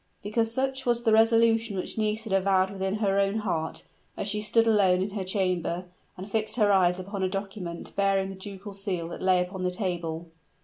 Because such was the resolution which Nisida vowed within her own heart, as she stood alone in her chamber, and fixed her eyes upon a document, bearing the ducal seal that lay upon the table.